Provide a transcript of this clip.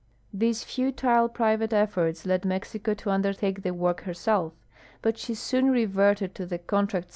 These futile i)riA'ate effijrts led Mexico to undertake the AAork herself; Imt she soon rcA'erted to the contract